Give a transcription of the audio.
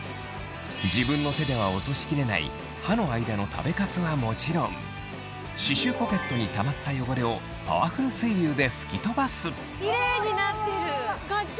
自分の手では落としきれない歯の間の食べカスはもちろん、歯周ポケットにたまった汚れをパワフル水流で吹き飛ばす！